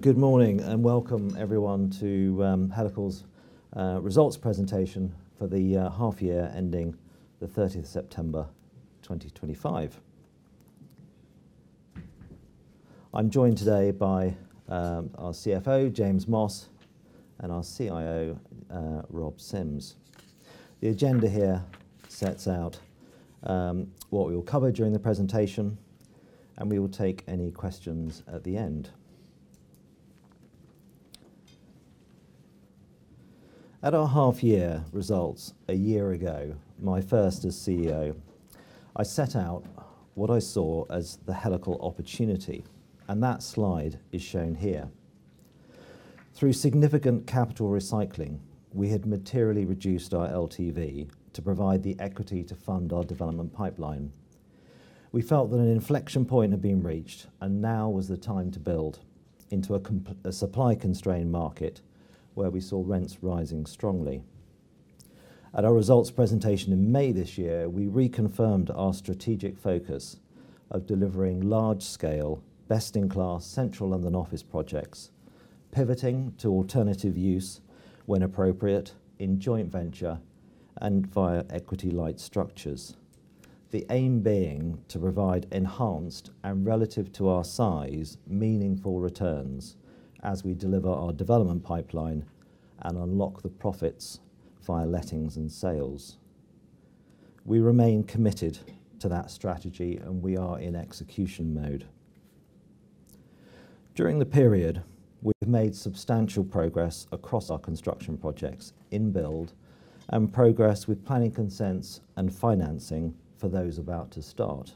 Good morning and welcome, everyone, to Helical's results presentation for the half-year ending the 30th of September 2025. I'm joined today by our CFO, James Moss, and our CIO, Rob Sims. The agenda here sets out what we will cover during the presentation, and we will take any questions at the end. At our half-year results a year ago, my first as CEO, I set out what I saw as the Helical opportunity, and that slide is shown here. Through significant capital recycling, we had materially reduced our LTV to provide the equity to fund our development pipeline. We felt that an inflection point had been reached, and now was the time to build into a supply-constrained market where we saw rents rising strongly. At our results presentation in May this year, we reconfirmed our strategic focus of delivering large-scale, best-in-class central London office projects, pivoting to alternative use when appropriate in joint venture and via equity-light structures. The aim being to provide enhanced and, relative to our size, meaningful returns as we deliver our development pipeline and unlock the profits via lettings and sales. We remain committed to that strategy, and we are in execution mode. During the period, we've made substantial progress across our construction projects in build and progress with planning consents and financing for those about to start.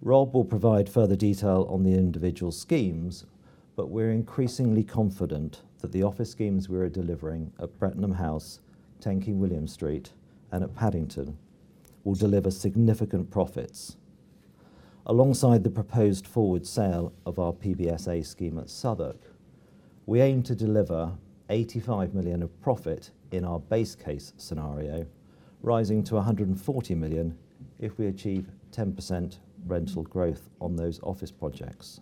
Rob will provide further detail on the individual schemes, but we're increasingly confident that the office schemes we are delivering at Brettenham House, 10 King William Street, and at Paddington will deliver significant profits. Alongside the proposed forward sale of our PBSA scheme at Southwark, we aim to deliver 85 million of profit in our base case scenario, rising to 140 million if we achieve 10% rental growth on those office projects.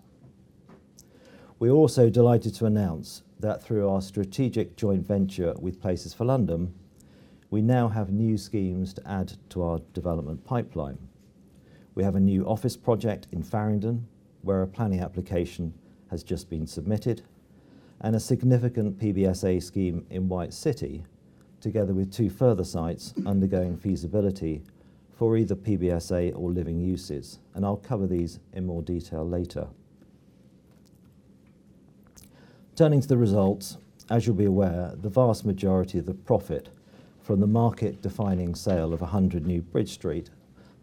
We're also delighted to announce that through our strategic joint venture with Places for London, we now have new schemes to add to our development pipeline. We have a new office project in Farringdon, where a planning application has just been submitted, and a significant PBSA scheme in White City, together with two further sites undergoing feasibility for either PBSA or living uses. I'll cover these in more detail later. Turning to the results, as you'll be aware, the vast majority of the profit from the market-defining sale of 100 New Bridge Street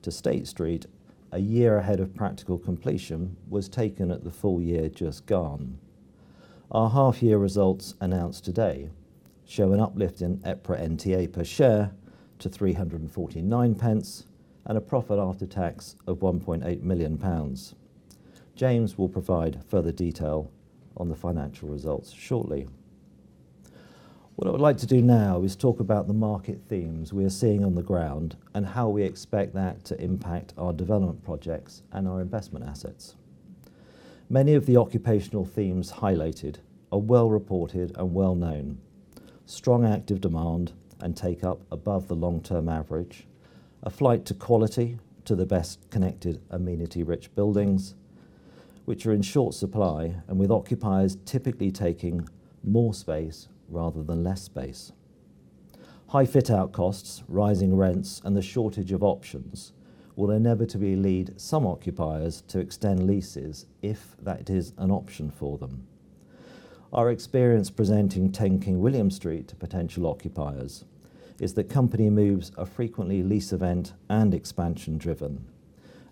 to State Street a year ahead of practical completion was taken at the full year just gone. Our half-year results announced today show an uplift in EPRA NTA per share to 3.49 and a profit after tax of 1.8 million pounds. James will provide further detail on the financial results shortly. What I would like to do now is talk about the market themes we are seeing on the ground and how we expect that to impact our development projects and our investment assets. Many of the occupational themes highlighted are well-reported and well-known: strong active demand and take-up above the long-term average, a flight to quality to the best connected amenity-rich buildings, which are in short supply and with occupiers typically taking more space rather than less space. High fit-out costs, rising rents, and the shortage of options will inevitably lead some occupiers to extend leases if that is an option for them. Our experience presenting 10 King William Street to potential occupiers is that company moves are frequently lease-event and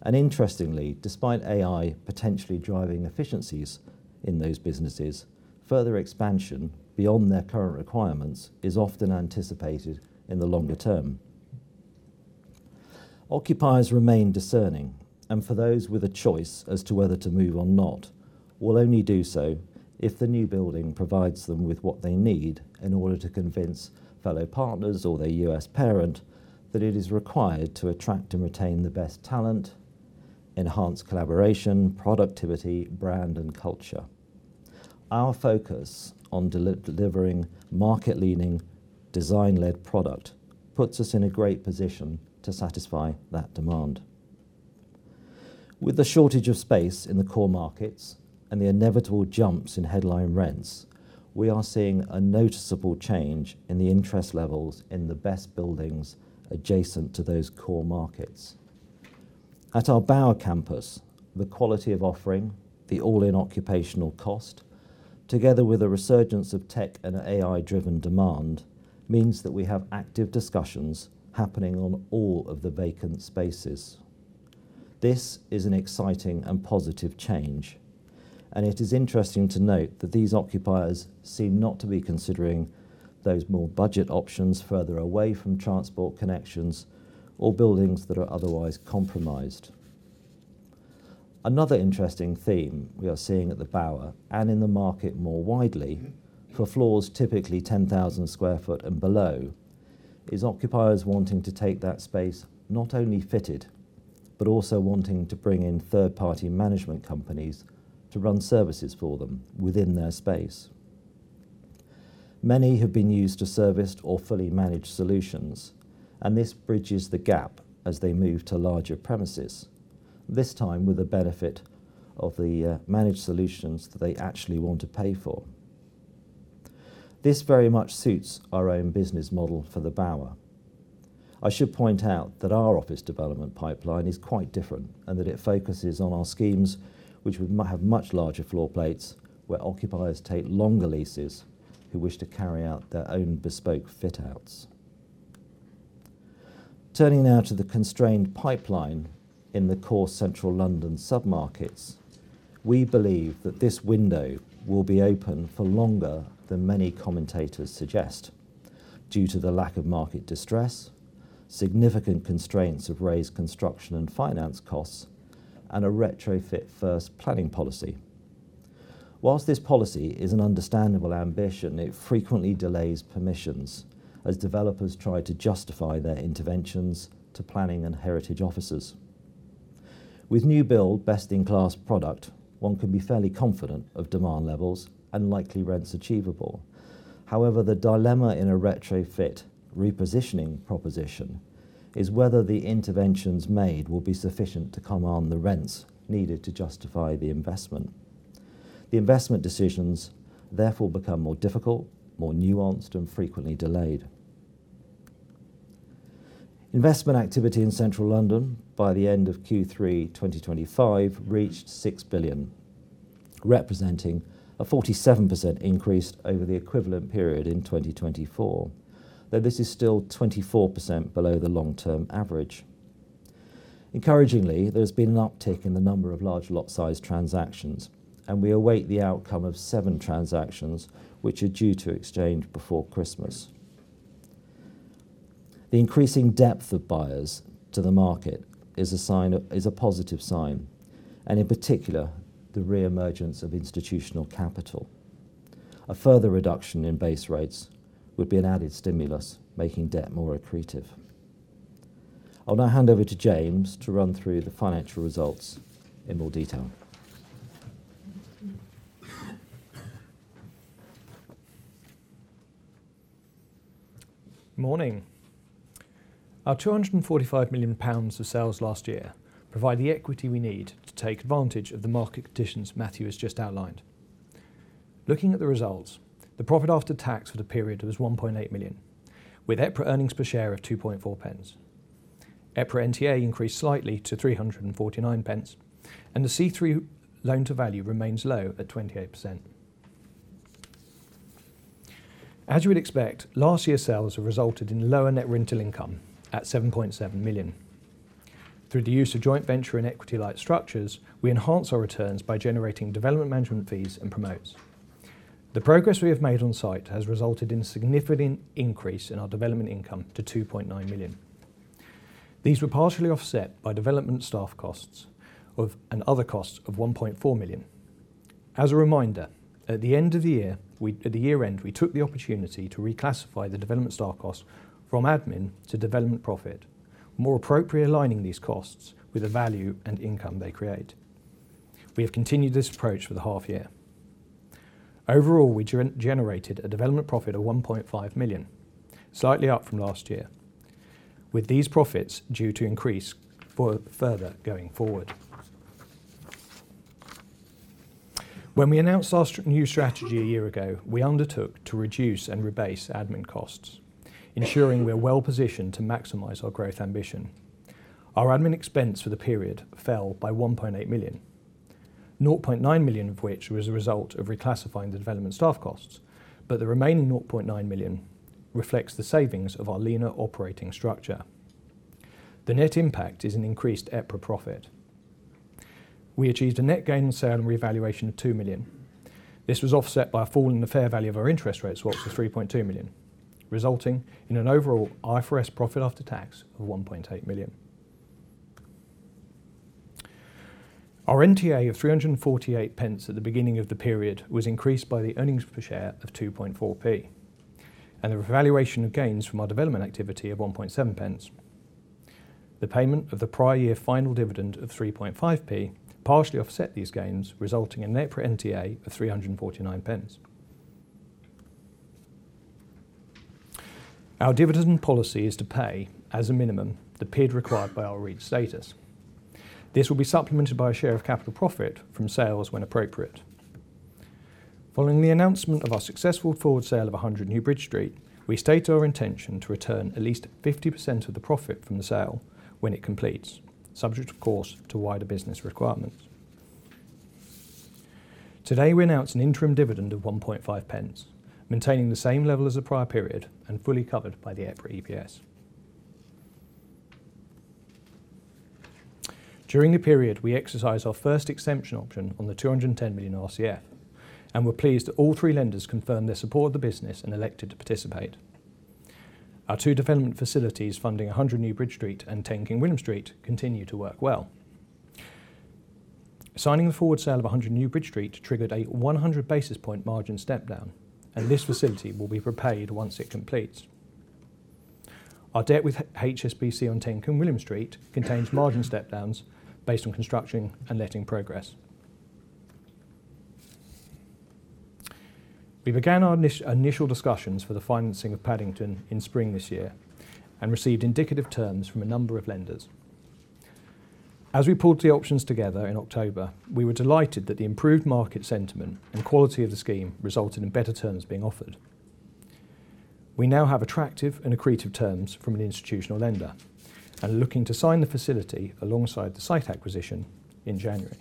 expansion-driven. Interestingly, despite AI potentially driving efficiencies in those businesses, further expansion beyond their current requirements is often anticipated in the longer term. Occupiers remain discerning, and for those with a choice as to whether to move or not, will only do so if the new building provides them with what they need in order to convince fellow partners or their U.S. parent that it is required to attract and retain the best talent, enhance collaboration, productivity, brand, and culture. Our focus on delivering market-leaning, design-led product puts us in a great position to satisfy that demand. With the shortage of space in the core markets and the inevitable jumps in headline rents, we are seeing a noticeable change in the interest levels in the best buildings adjacent to those core markets. At our Bower campus, the quality of offering, the all-in occupational cost, together with a resurgence of tech and AI-driven demand, means that we have active discussions happening on all of the vacant spaces. This is an exciting and positive change, and it is interesting to note that these occupiers seem not to be considering those more budget options further away from transport connections or buildings that are otherwise compromised. Another interesting theme we are seeing at the Bower and in the market more widely for floors typically 10,000 sq ft and below is occupiers wanting to take that space not only fitted but also wanting to bring in third-party management companies to run services for them within their space. Many have been used to serviced or fully managed solutions, and this bridges the gap as they move to larger premises, this time with the benefit of the managed solutions that they actually want to pay for. This very much suits our own business model for the Bower. I should point out that our office development pipeline is quite different and that it focuses on our schemes which would have much larger floor plates where occupiers take longer leases who wish to carry out their own bespoke fit-outs. Turning now to the constrained pipeline in the core central London submarkets, we believe that this window will be open for longer than many commentators suggest due to the lack of market distress, significant constraints of raised construction and finance costs, and a retrofit-first planning policy. Whilst this policy is an understandable ambition, it frequently delays permissions as developers try to justify their interventions to planning and heritage officers. With new build, best-in-class product, one can be fairly confident of demand levels and likely rents achievable. However, the dilemma in a retrofit-repositioning proposition is whether the interventions made will be sufficient to command the rents needed to justify the investment. The investment decisions therefore become more difficult, more nuanced, and frequently delayed. Investment activity in central London by the end of Q3 2025 reached 6 billion, representing a 47% increase over the equivalent period in 2024, though this is still 24% below the long-term average. Encouragingly, there has been an uptick in the number of large lot-sized transactions, and we await the outcome of seven transactions which are due to exchange before Christmas. The increasing depth of buyers to the market is a positive sign, and in particular, the re-emergence of institutional capital. A further reduction in base rates would be an added stimulus, making debt more accretive. I'll now hand over to James to run through the financial results in more detail. Morning. Our 245 million pounds of sales last year provide the equity we need to take advantage of the market conditions Matthew has just outlined. Looking at the results, the profit after tax for the period was 1.8 million, with EPRA earnings per share of 0.024. EPRA NTA increased slightly to 3.49, and the C3 loan to value remains low at 28%. As you would expect, last year's sales have resulted in lower net rental income at 7.7 million. Through the use of joint venture and equity-light structures, we enhance our returns by generating development management fees and promotes. The progress we have made on site has resulted in a significant increase in our development income to 2.9 million. These were partially offset by development staff costs and other costs of 1.4 million. As a reminder, at the end of the year, at the year-end, we took the opportunity to reclassify the development staff costs from admin to development profit, more appropriately aligning these costs with the value and income they create. We have continued this approach for the half-year. Overall, we generated a development profit of 1.5 million, slightly up from last year, with these profits due to increase further going forward. When we announced our new strategy a year ago, we undertook to reduce and rebase admin costs, ensuring we are well-positioned to maximize our growth ambition. Our admin expense for the period fell by 1.8 million, 0.9 million of which was a result of reclassifying the development staff costs, but the remaining 0.9 million reflects the savings of our leaner operating structure. The net impact is an increased EPRA profit. We achieved a net gain and sale and revaluation of 2 million. This was offset by a fall in the fair value of our interest rates for up to 3.2 million, resulting in an overall IFRS profit after tax of 1.8 million. Our NTA of 3.48 at the beginning of the period was increased by the earnings per share of 0.024, and the revaluation of gains from our development activity of 0.017. The payment of the prior year final dividend of 0.035 partially offset these gains, resulting in an EPRA NTA of 3.49. Our dividend policy is to pay, as a minimum, the PID required by our REIT status. This will be supplemented by a share of capital profit from sales when appropriate. Following the announcement of our successful forward sale of 100 New Bridge Street, we state our intention to return at least 50% of the profit from the sale when it completes, subject, of course, to wider business requirements. Today, we announce an interim dividend of 0.015, maintaining the same level as the prior period and fully covered by the EPRA EPS. During the period, we exercised our first extension option on the 210 million RCF, and we're pleased that all three lenders confirmed their support of the business and elected to participate. Our two development facilities, funding 100 New Bridge Street and 10 King William Street, continue to work well. Signing the forward sale of 100 New Bridge Street triggered a 100 basis point margin step-down, and this facility will be prepaid once it completes. Our debt with HSBC on 10 King William Street contains margin step-downs based on construction and letting progress. We began our initial discussions for the financing of Paddington in spring this year and received indicative terms from a number of lenders. As we pulled the options together in October, we were delighted that the improved market sentiment and quality of the scheme resulted in better terms being offered. We now have attractive and accretive terms from an institutional lender and are looking to sign the facility alongside the site acquisition in January.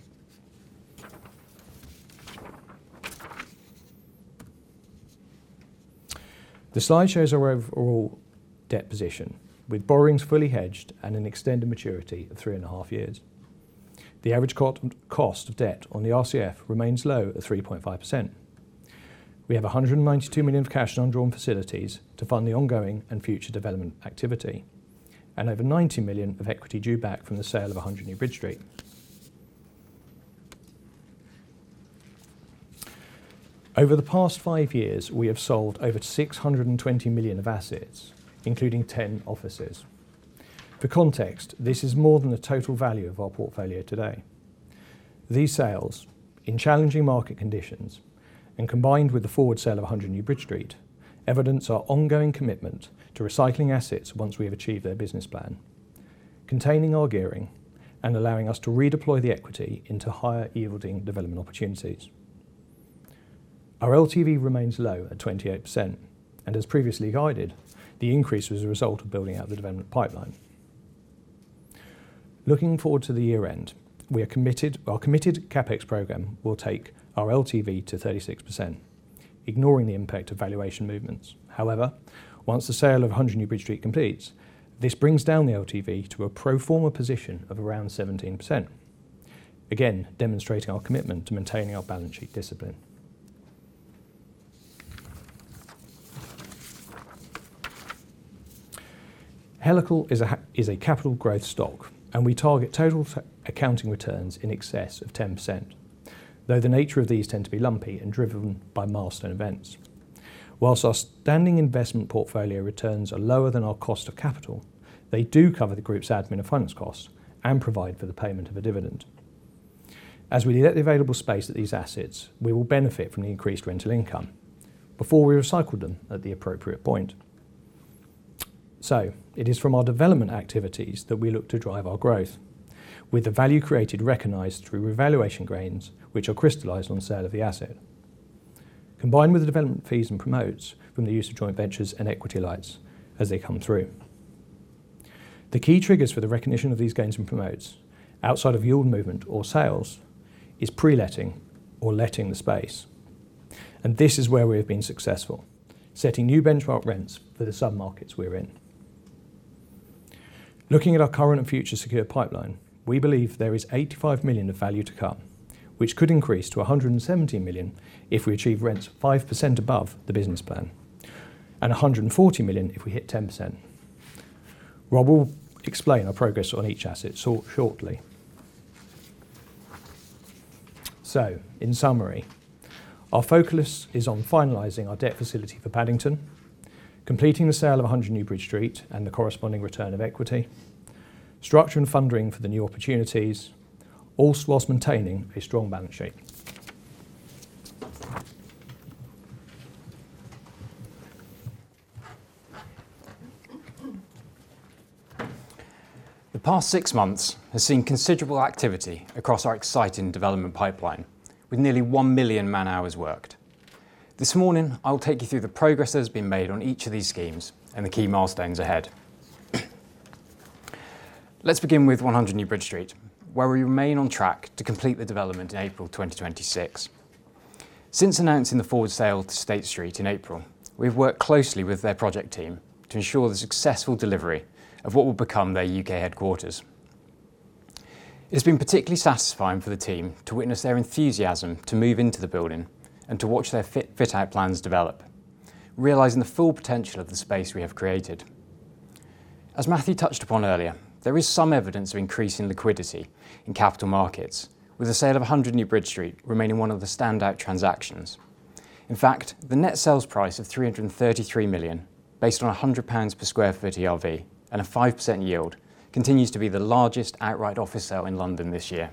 The slide shows our overall debt position, with borrowings fully hedged and an extended maturity of three and a half years. The average cost of debt on the RCF remains low at 3.5%. We have 192 million of cash non-drawn facilities to fund the ongoing and future development activity and over 90 million of equity due back from the sale of 100 New Bridge Street. Over the past five years, we have sold over 620 million of assets, including 10 offices. For context, this is more than the total value of our portfolio today. These sales, in challenging market conditions and combined with the forward sale of 100 New Bridge Street, evidence our ongoing commitment to recycling assets once we have achieved their business plan, containing our gearing and allowing us to redeploy the equity into higher-yielding development opportunities. Our LTV remains low at 28%, and as previously guided, the increase was a result of building out the development pipeline. Looking forward to the year-end, our committed CapEx program will take our LTV to 36%, ignoring the impact of valuation movements. However, once the sale of 100 New Bridge Street completes, this brings down the LTV to a pro forma position of around 17%, again demonstrating our commitment to maintaining our balance sheet discipline. Helical is a capital growth stock, and we target total accounting returns in excess of 10%, though the nature of these tend to be lumpy and driven by milestone events. Whilst our standing investment portfolio returns are lower than our cost of capital, they do cover the group's admin and finance costs and provide for the payment of a dividend. As we let the available space at these assets, we will benefit from the increased rental income before we recycle them at the appropriate point. It is from our development activities that we look to drive our growth, with the value created recognized through revaluation gains, which are crystallized on sale of the asset, combined with the development fees and promotes from the use of joint ventures and equity-light as they come through. The key triggers for the recognition of these gains and promotes outside of yield movement or sales is pre-letting or letting the space, and this is where we have been successful, setting new benchmark rents for the submarkets we are in. Looking at our current and future secure pipeline, we believe there is 85 million of value to come, which could increase to 117 million if we achieve rents 5% above the business plan and 140 million if we hit 10%. Rob will explain our progress on each asset shortly. In summary, our focus is on finalizing our debt facility for Paddington, completing the sale of 100 New Bridge Street and the corresponding return of equity, structuring funding for the new opportunities, all whilst maintaining a strong balance sheet. The past six months have seen considerable activity across our exciting development pipeline, with nearly one million man-hours worked. This morning, I'll take you through the progress that has been made on each of these schemes and the key milestones ahead. Let's begin with 100 New Bridge Street, where we remain on track to complete the development in April 2026. Since announcing the forward sale to State Street in April, we have worked closely with their project team to ensure the successful delivery of what will become their U.K. headquarters. It has been particularly satisfying for the team to witness their enthusiasm to move into the building and to watch their fit-out plans develop, realizing the full potential of the space we have created. As Matthew touched upon earlier, there is some evidence of increasing liquidity in capital markets, with the sale of 100 New Bridge Street remaining one of the standout transactions. In fact, the net sales price of 333 million, based on 100 pounds per sq ft ERV and a 5% yield, continues to be the largest outright office sale in London this year.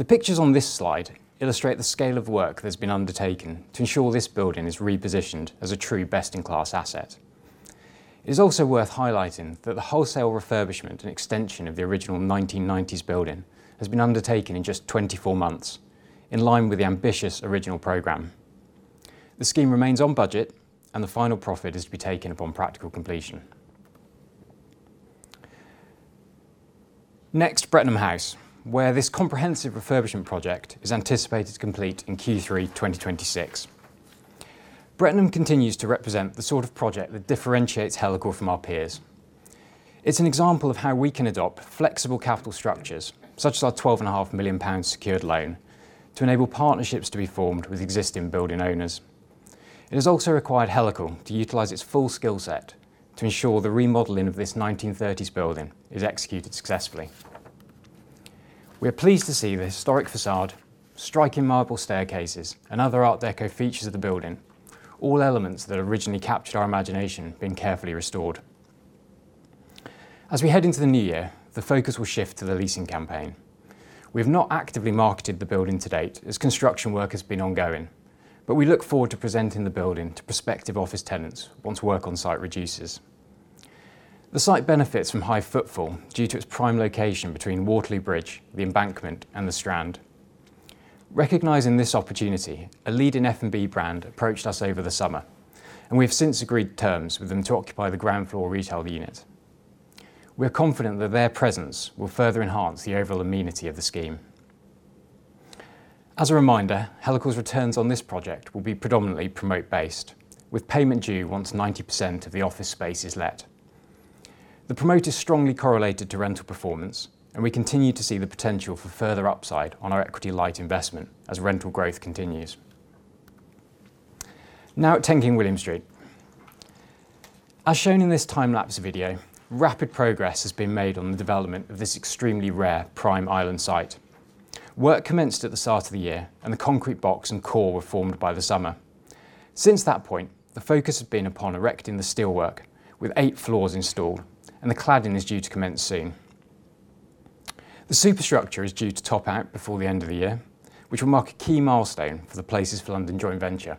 The pictures on this slide illustrate the scale of work that has been undertaken to ensure this building is repositioned as a true best-in-class asset. It is also worth highlighting that the wholesale refurbishment and extension of the original 1990s building has been undertaken in just 24 months, in line with the ambitious original program. The scheme remains on budget, and the final profit is to be taken upon practical completion. Next, Brettenham House, where this comprehensive refurbishment project is anticipated to complete in Q3 2026. Brettenham continues to represent the sort of project that differentiates Helical from our peers. It's an example of how we can adopt flexible capital structures, such as our 12.5 million pounds secured loan, to enable partnerships to be formed with existing building owners. It has also required Helical to utilize its full skill set to ensure the remodeling of this 1930s building is executed successfully. We are pleased to see the historic façade, striking marble staircases, and other art deco features of the building, all elements that originally captured our imagination being carefully restored. As we head into the new year, the focus will shift to the leasing campaign. We have not actively marketed the building to date as construction work has been ongoing, but we look forward to presenting the building to prospective office tenants once work on site reduces. The site benefits from high footfall due to its prime location between Waterloo Bridge, the Embankment, and the Strand. Recognizing this opportunity, a leading F&B brand approached us over the summer, and we have since agreed to terms with them to occupy the ground floor retail unit. We are confident that their presence will further enhance the overall amenity of the scheme. As a reminder, Helical's returns on this project will be predominantly promote-based, with payment due once 90% of the office space is let. The promote is strongly correlated to rental performance, and we continue to see the potential for further upside on our equity-light investment as rental growth continues. Now at 10 King William Street. As shown in this time-lapse video, rapid progress has been made on the development of this extremely rare prime island site. Work commenced at the start of the year, and the concrete box and core were formed by the summer. Since that point, the focus has been upon erecting the steelwork, with eight floors installed, and the cladding is due to commence soon. The superstructure is due to top out before the end of the year, which will mark a key milestone for the Places for London joint venture,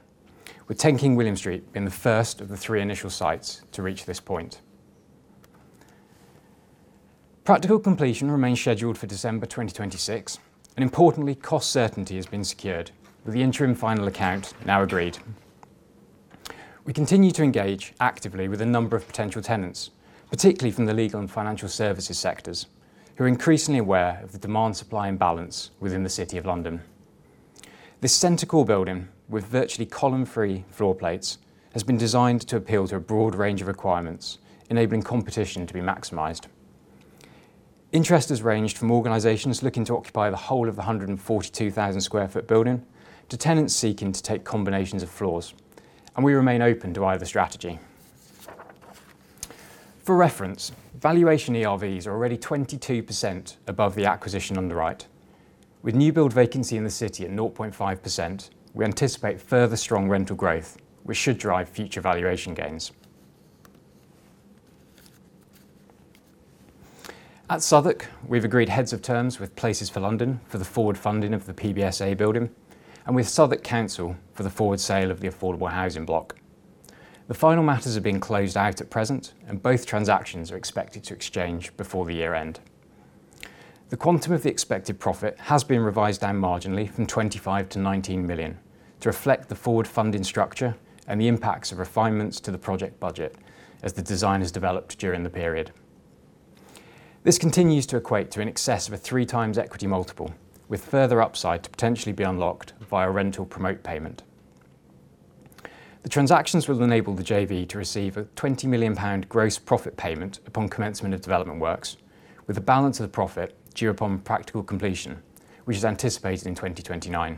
with 10 King William Street being the first of the three initial sites to reach this point. Practical completion remains scheduled for December 2026, and importantly, cost certainty has been secured, with the interim final account now agreed. We continue to engage actively with a number of potential tenants, particularly from the legal and financial services sectors, who are increasingly aware of the demand-supply imbalance within the City of London. This center-core building, with virtually column-free floor plates, has been designed to appeal to a broad range of requirements, enabling competition to be maximized. Interest has ranged from organizations looking to occupy the whole of the 142,000 sq ft building to tenants seeking to take combinations of floors, and we remain open to either strategy. For reference, valuation ERVs are already 22% above the acquisition underwrite. With new build vacancy in the City at 0.5%, we anticipate further strong rental growth, which should drive future valuation gains. At Southwark, we've agreed heads of terms with Places for London for the forward funding of the PBSA building, and with Southwark Council for the forward sale of the affordable housing block. The final matters have been closed out at present, and both transactions are expected to exchange before the year-end. The quantum of the expected profit has been revised down marginally from 25 million-19 million to reflect the forward funding structure and the impacts of refinements to the project budget as the design has developed during the period. This continues to equate to an excess of a three times equity multiple, with further upside to potentially be unlocked via rental promote payment. The transactions will enable the JV to receive a 20 million pound gross profit payment upon commencement of development works, with the balance of the profit due upon practical completion, which is anticipated in 2029.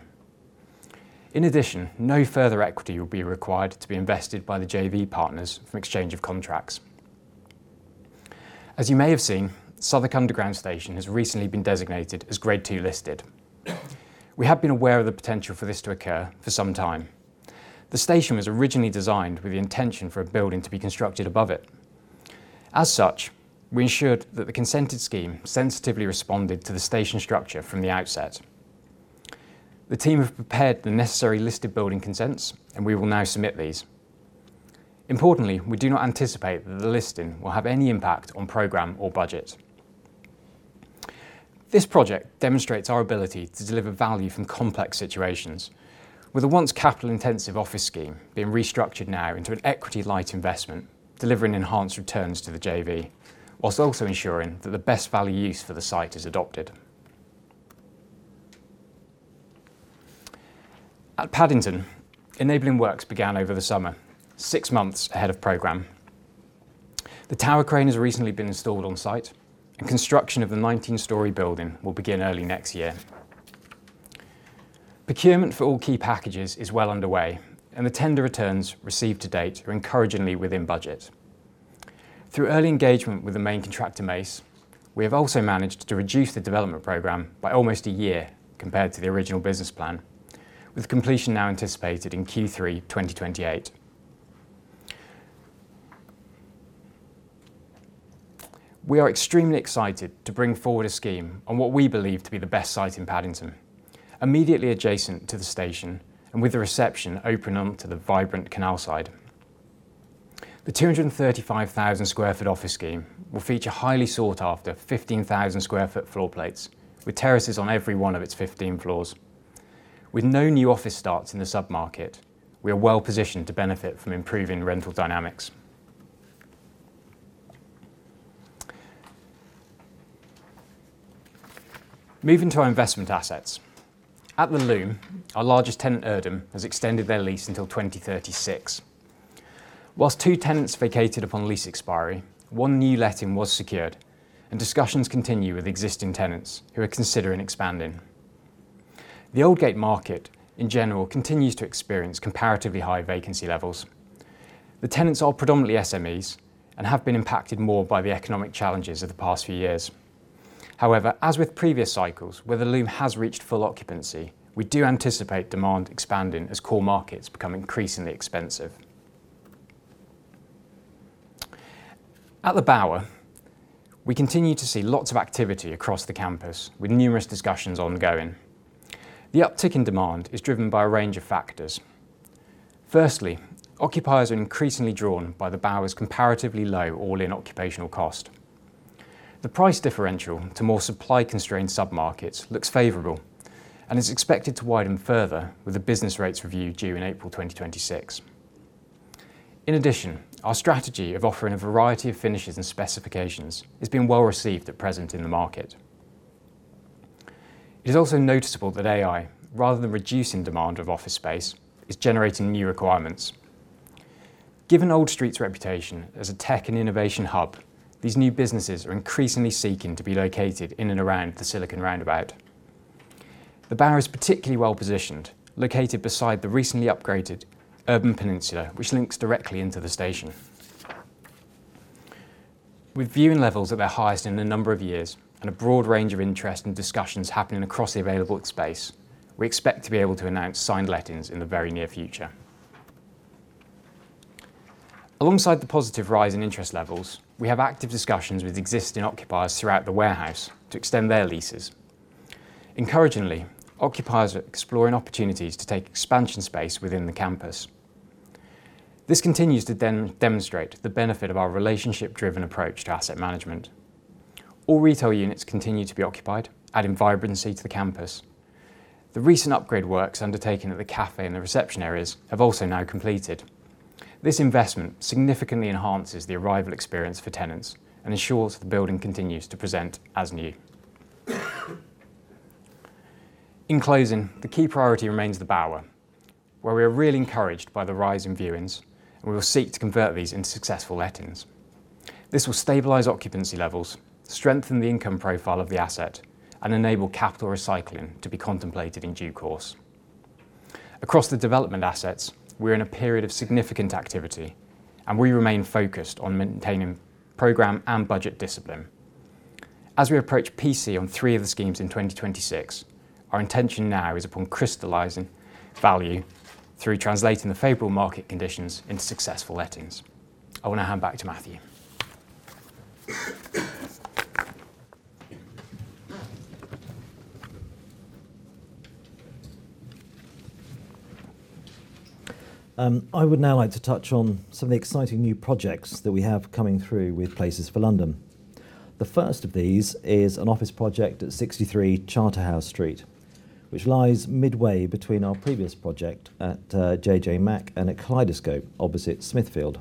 In addition, no further equity will be required to be invested by the JV partners from exchange of contracts. As you may have seen, Southwark Underground Station has recently been designated as Grade II listed. We have been aware of the potential for this to occur for some time. The station was originally designed with the intention for a building to be constructed above it. As such, we ensured that the consented scheme sensitively responded to the station structure from the outset. The team have prepared the necessary listed building consents, and we will now submit these. Importantly, we do not anticipate that the listing will have any impact on program or budget. This project demonstrates our ability to deliver value from complex situations, with a once capital-intensive office scheme being restructured now into an equity-light investment, delivering enhanced returns to the JV, whilst also ensuring that the best value use for the site is adopted. At Paddington, enabling works began over the summer, six months ahead of program. The tower crane has recently been installed on site, and construction of the 19-story building will begin early next year. Procurement for all key packages is well underway, and the tender returns received to date are encouragingly within budget. Through early engagement with the main contractor Mace, we have also managed to reduce the development program by almost a year compared to the original business plan, with completion now anticipated in Q3 2028. We are extremely excited to bring forward a scheme on what we believe to be the best site in Paddington, immediately adjacent to the station and with the reception opening onto the vibrant canal side. The 235,000 sq ft office scheme will feature highly sought-after 15,000 sq ft floor plates, with terraces on every one of its 15 floors. With no new office starts in the submarket, we are well positioned to benefit from improving rental dynamics. Moving to our investment assets. At The Loom, our largest tenant, Erdem, has extended their lease until 2036. Whilst two tenants vacated upon lease expiry, one new letting was secured, and discussions continue with existing tenants who are considering expanding. The Old Gate Market, in general, continues to experience comparatively high vacancy levels. The tenants are predominantly SMEs and have been impacted more by the economic challenges of the past few years. However, as with previous cycles, where The Loom has reached full occupancy, we do anticipate demand expanding as core markets become increasingly expensive. At The Bower, we continue to see lots of activity across the campus, with numerous discussions ongoing. The uptick in demand is driven by a range of factors. Firstly, occupiers are increasingly drawn by The Bower's comparatively low all-in occupational cost. The price differential to more supply-constrained submarkets looks favorable and is expected to widen further with the business rates review due in April 2026. In addition, our strategy of offering a variety of finishes and specifications has been well received at present in the market. It is also noticeable that AI, rather than reducing demand of office space, is generating new requirements. Given Old Street's reputation as a tech and innovation hub, these new businesses are increasingly seeking to be located in and around the Silicon Roundabout. The Bower is particularly well positioned, located beside the recently upgraded Urban Peninsula, which links directly into the station. With viewing levels at their highest in a number of years and a broad range of interest and discussions happening across the available space, we expect to be able to announce signed lettings in the very near future. Alongside the positive rise in interest levels, we have active discussions with existing occupiers throughout the warehouse to extend their leases. Encouragingly, occupiers are exploring opportunities to take expansion space within the campus. This continues to demonstrate the benefit of our relationship-driven approach to asset management. All retail units continue to be occupied, adding vibrancy to the campus. The recent upgrade works undertaken at the cafe and the reception areas have also now completed. This investment significantly enhances the arrival experience for tenants and ensures the building continues to present as new. In closing, the key priority remains The Bower, where we are really encouraged by the rise in viewings, and we will seek to convert these into successful lettings. This will stabilize occupancy levels, strengthen the income profile of the asset, and enable capital recycling to be contemplated in due course. Across the development assets, we are in a period of significant activity, and we remain focused on maintaining program and budget discipline. As we approach PC on three of the schemes in 2026, our intention now is upon crystalizing value through translating the favorable market conditions into successful lettings. I want to hand back to Matthew. I would now like to touch on some of the exciting new projects that we have coming through with Places for London. The first of these is an office project at 63 Charterhouse Street, which lies midway between our previous project at JJ Mack and at Kaleidoscope, opposite Smithfield.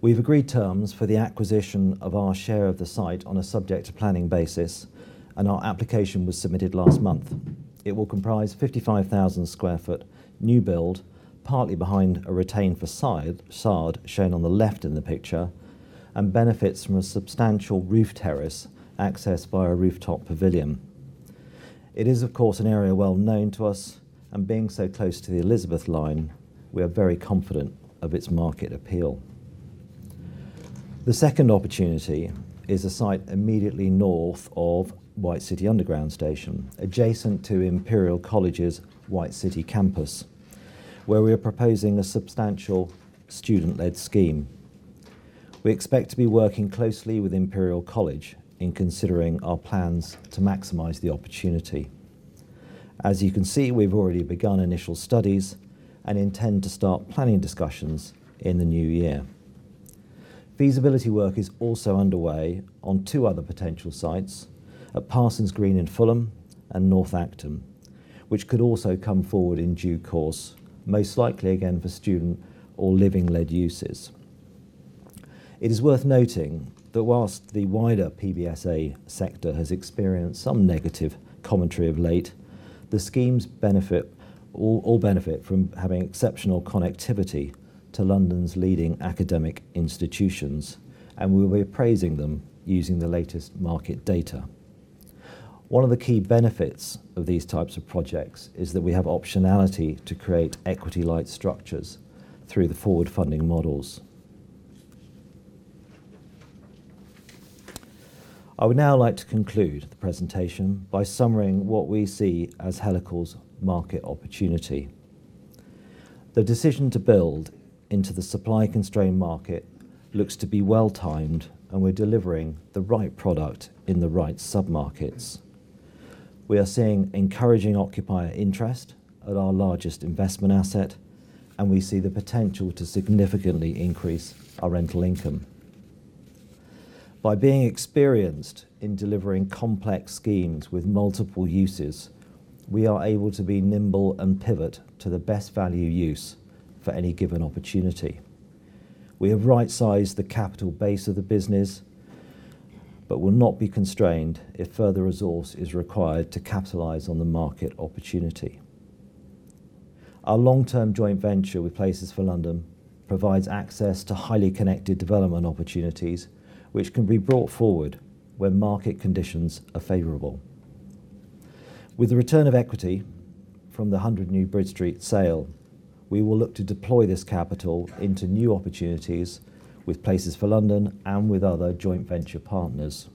We have agreed terms for the acquisition of our share of the site on a subject planning basis, and our application was submitted last month. It will comprise 55,000 sq ft new build, partly behind a retained facade shown on the left in the picture, and benefits from a substantial roof terrace accessed via a rooftop pavilion. It is, of course, an area well known to us, and being so close to the Elizabeth Line, we are very confident of its market appeal. The second opportunity is a site immediately north of White City Underground Station, adjacent to Imperial College's White City campus, where we are proposing a substantial student-led scheme. We expect to be working closely with Imperial College in considering our plans to maximize the opportunity. As you can see, we've already begun initial studies and intend to start planning discussions in the new year. Feasibility work is also underway on two other potential sites, at Parsons Green in Fulham and North Acton, which could also come forward in due course, most likely again for student or living-led uses. It is worth noting that whilst the wider PBSA sector has experienced some negative commentary of late, the schemes all benefit from having exceptional connectivity to London's leading academic institutions, and we will be appraising them using the latest market data. One of the key benefits of these types of projects is that we have optionality to create equity-light structures through the forward funding models. I would now like to conclude the presentation by summarizing what we see as Helical's market opportunity. The decision to build into the supply-constrained market looks to be well-timed, and we're delivering the right product in the right submarkets. We are seeing encouraging occupier interest at our largest investment asset, and we see the potential to significantly increase our rental income. By being experienced in delivering complex schemes with multiple uses, we are able to be nimble and pivot to the best value use for any given opportunity. We have right-sized the capital base of the business, but will not be constrained if further resource is required to capitalize on the market opportunity. Our long-term joint venture with Places for London provides access to highly connected development opportunities, which can be brought forward when market conditions are favorable. With the return of equity from the 100 New Bridge Street sale, we will look to deploy this capital into new opportunities with Places for London and with other joint venture partners.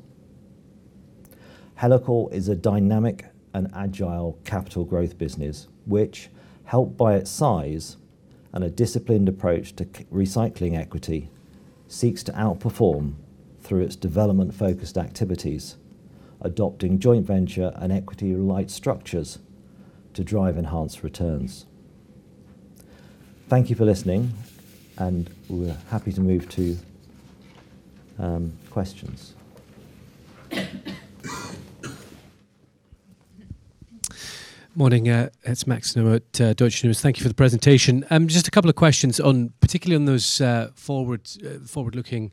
Helical is a dynamic and agile capital growth business, which, helped by its size and a disciplined approach to recycling equity, seeks to outperform through its development-focused activities, adopting joint venture and equity-light structures to drive enhanced returns. Thank you for listening, and we're happy to move to questions. Morning, it's Max New at DutchNews. Thank you for the presentation. Just a couple of questions, particularly on those forward-looking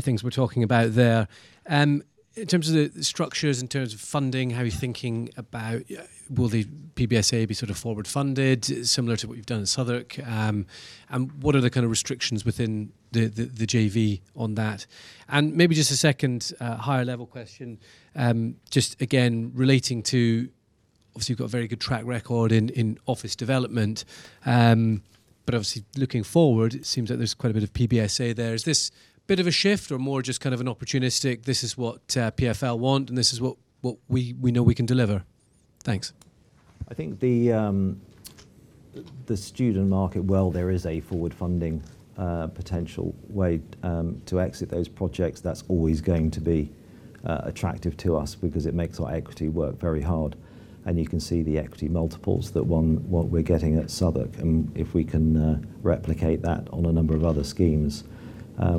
things we're talking about there. In terms of the structures, in terms of funding, how are you thinking about, will the PBSA be sort of forward-funded, similar to what you've done at Southwark, and what are the kind of restrictions within the JV on that? Maybe just a second higher-level question, just again relating to, obviously, you've got a very good track record in office development, but obviously, looking forward, it seems that there's quite a bit of PBSA there. Is this bit of a shift or more just kind of an opportunistic, this is what PFL want, and this is what we know we can deliver? Thanks. I think the student market, while there is a forward-funding potential way to exit those projects, that's always going to be attractive to us because it makes our equity work very hard. You can see the equity multiples that we're getting at Southwark, and if we can replicate that on a number of other schemes,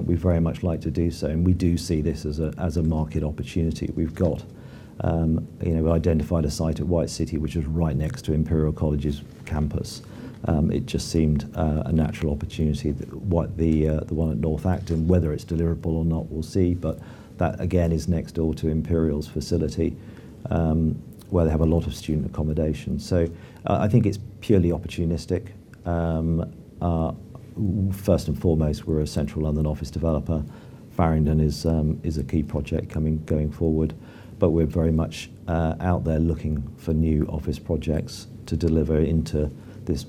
we'd very much like to do so. We do see this as a market opportunity. We've identified a site at White City, which is right next to Imperial College's campus. It just seemed a natural opportunity, the one at North Acton, whether it's deliverable or not, we'll see. That, again, is next door to Imperial's facility, where they have a lot of student accommodation. I think it's purely opportunistic. First and foremost, we're a central London office developer. Farringdon is a key project going forward, but we're very much out there looking for new office projects to deliver into this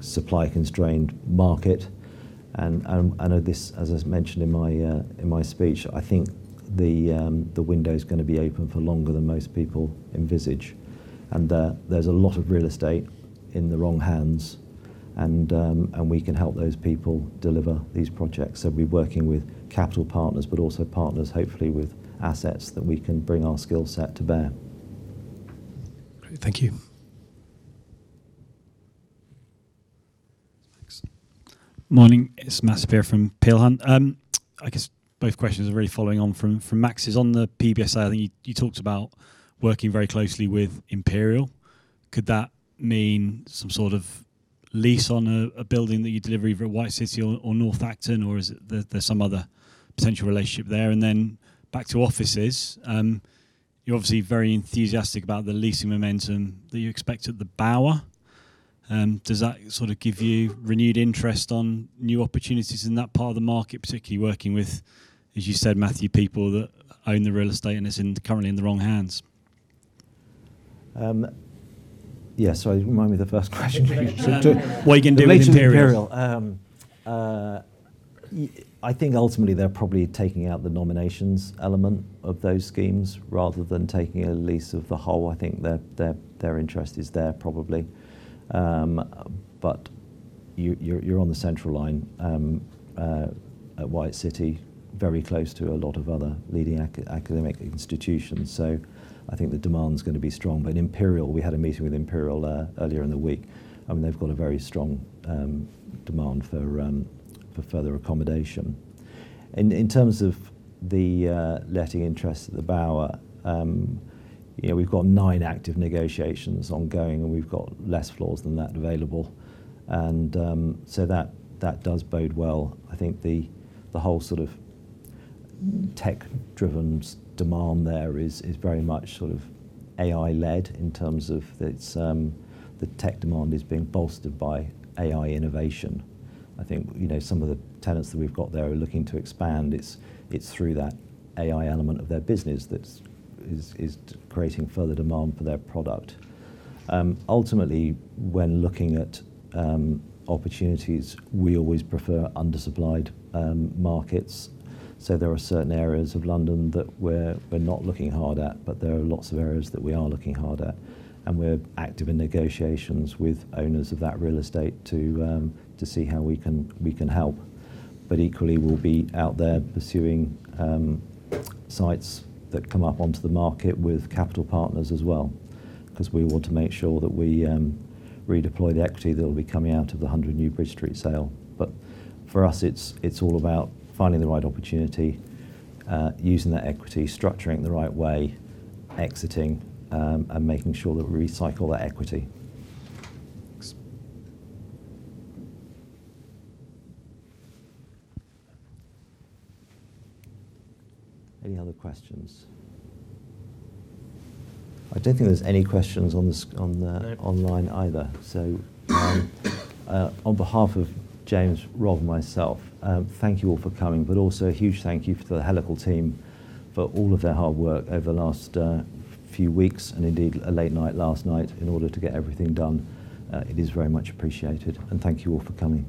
supply-constrained market. As I mentioned in my speech, I think the window is going to be open for longer than most people envisage. There is a lot of real estate in the wrong hands, and we can help those people deliver these projects. We are working with capital partners, but also partners, hopefully, with assets that we can bring our skill set to bear. Thank you. Morning, it is Matt Saperia from Peel Hunt. I guess both questions are really following on from Max. On the PBSA, I think you talked about working very closely with Imperial. Could that mean some sort of lease on a building that you deliver either at White City or North Acton, or is there some other potential relationship there? Back to offices, you are obviously very enthusiastic about the leasing momentum that you expect at The Bower. Does that sort of give you renewed interest on new opportunities in that part of the market, particularly working with, as you said, Matthew, people that own the real estate and it's currently in the wrong hands? Yeah, sorry, remind me of the first question. Relation to Imperial. I think ultimately they're probably taking out the nominations element of those schemes rather than taking a lease of the whole. I think their interest is there probably. You're on the central line at White City, very close to a lot of other leading academic institutions. I think the demand's going to be strong. Imperial, we had a meeting with Imperial earlier in the week. I mean, they've got a very strong demand for further accommodation. In terms of the letting interest at The Bower, we've got nine active negotiations ongoing, and we've got less floors than that available. That does bode well. I think the whole sort of tech-driven demand there is very much AI-led in terms of the tech demand being bolstered by AI innovation. I think some of the tenants that we've got there are looking to expand. It's through that AI element of their business that is creating further demand for their product. Ultimately, when looking at opportunities, we always prefer undersupplied markets. There are certain areas of London that we're not looking hard at, but there are lots of areas that we are looking hard at. We're active in negotiations with owners of that real estate to see how we can help. Equally, we'll be out there pursuing sites that come up onto the market with capital partners as well, because we want to make sure that we redeploy the equity that will be coming out of the 100 New Bridge Street sale. For us, it's all about finding the right opportunity, using that equity, structuring it the right way, exiting, and making sure that we recycle that equity. Any other questions? I don't think there's any questions online either. On behalf of James, Rob, and myself, thank you all for coming, but also a huge thank you to the Helical team for all of their hard work over the last few weeks and indeed a late night last night in order to get everything done. It is very much appreciated. Thank you all for coming.